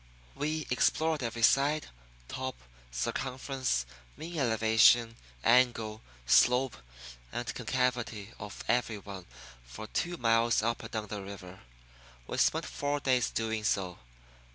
We explored every side, top, circumference, mean elevation, angle, slope, and concavity of every one for two miles up and down the river. We spent four days doing so.